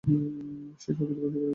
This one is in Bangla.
সে চৌকিতে বসিয়া পড়িল।